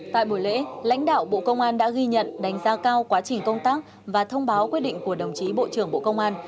tại buổi lễ lãnh đạo bộ công an đã ghi nhận đánh giá cao quá trình công tác và thông báo quyết định của đồng chí bộ trưởng bộ công an